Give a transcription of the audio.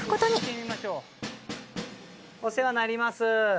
お世話になります。